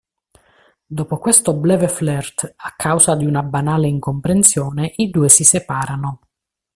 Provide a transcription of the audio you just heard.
Dopo questo breve flirt, a causa di una banale incomprensione, i due si separano.